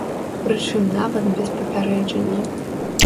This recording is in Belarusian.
Прычым нават без папярэджання.